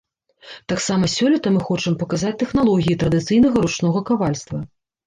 Таксама сёлета мы хочам паказаць тэхналогіі традыцыйнага ручнога кавальства.